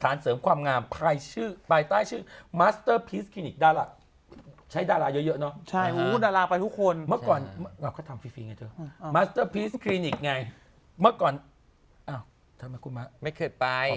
แต่คนข้างนอกอย่าไปจับห่างเขา